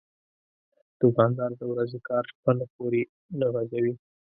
دوکاندار د ورځې کار شپه نه پورې نه غځوي.